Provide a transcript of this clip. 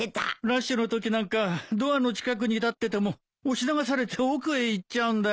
ラッシュのときなんかドアの近くに立ってても押し流されて奥へ行っちゃうんだよ。